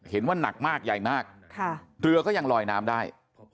หนักมากใหญ่มากเรือก็ยังลอยน้ำได้